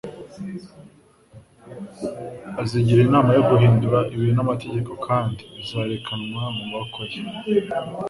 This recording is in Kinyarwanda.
Azigira inama yo guhindura ibihe n'amategeko kandi bizarekerwa mu maboko ye.